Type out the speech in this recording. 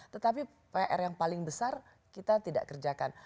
tetapi pr yang paling besar kita tidak kerjakan